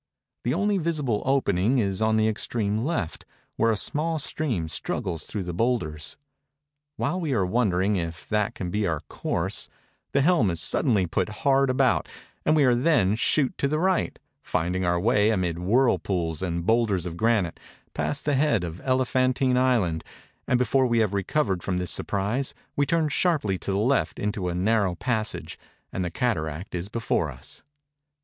The only visible opening is on the extreme left, where a small stream struggles through the boulders. While we are wondering if that can be our course, the helm is suddenly put hard about, and we then shoot to the right, finding our way, amid whirlpools and boulders of granite, past the head of Elephantine Island; and before we have recovered from this surprise we turn sharply to the left into a narrow passage, and the cata ract is before us.